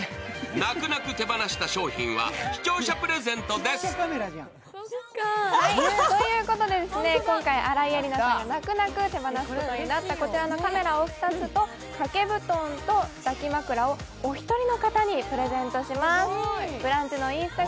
泣く泣く手放した商品は視聴者プレゼントです。ということで今回、新井恵理那さんが泣く泣く手放すことになった商品はこちらのカメラ２つと、掛け布団と抱き枕をお一人の方にプレゼントします。